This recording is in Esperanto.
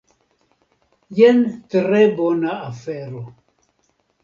Jen tre bona afero.